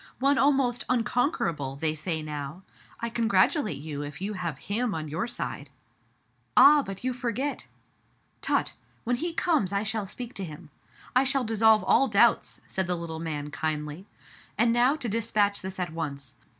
One almost unconquerable, they say now. I congratulate you if you have him on your side. " Ah ! but you forget !" Tut — when he comes I shall speak to him. I shall dissolve all doubts/* said the little man kindly. "And now to dispatch this at once.